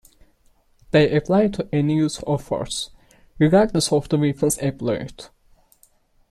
They apply to any use of force, regardless of the weapons employed.